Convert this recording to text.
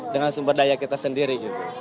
dengan sumber daya kita sendiri